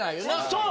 そう！